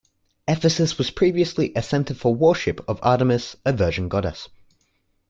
Ephesus was previously a centre for worship of Artemis a virgin goddess.